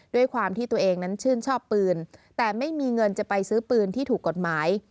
ด้วยความที่ตัวเองนั้นชื่นชอบปืนแต่ไม่มีเงินจะไปซื้อปืนที่ถูกกฎหมาย